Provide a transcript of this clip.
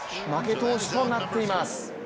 投手となっています。